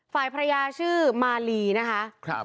ฝ่ายภรรยาชื่อมาลีนะคะ